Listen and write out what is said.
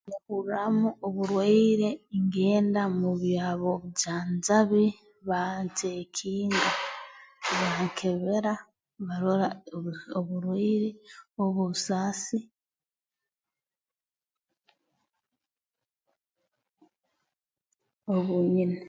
Nyehurraamu oburwaire ngenda mu byabobujanjabi bancekinga bankebera barora ebi oburwaire oba obusaasi obu nyine